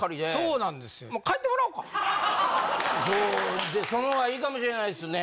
そうそのほうがいいかもしれないですね。